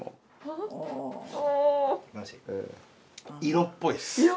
色っぽいっす。